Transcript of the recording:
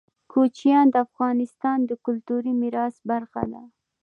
کوچیان د افغانستان د کلتوري میراث برخه ده.